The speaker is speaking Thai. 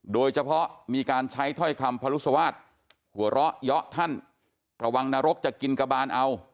โดยเฉพาะมีการใช้ถ้อยคำพรุษวาสหัวเราะเยาะท่านระวังนรกจะกินกระบานเอา